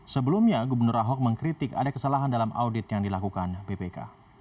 sebelumnya gubernur ahok mengkritik ada kesalahan dalam audit yang dilakukan bpk